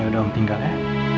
ya dong tinggal ya